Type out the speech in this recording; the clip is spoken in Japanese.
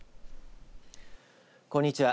こんにちは。